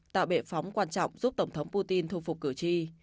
tạo bệ phóng quan trọng giúp tổng thống putin thu phục cử tri